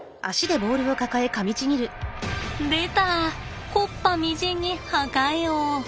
でた木っ端みじんに破壊王。